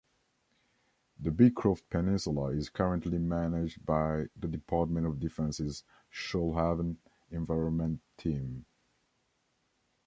The Beecroft Peninsula is currently managed by the Department of Defence's Shoalhaven Environment Team.